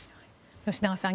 吉永さん